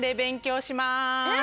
うん。